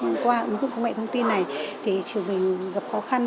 thông qua ứng dụng công nghệ thông tin này thì trường mình gặp khó khăn